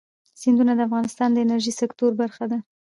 سیندونه د افغانستان د انرژۍ سکتور برخه ده.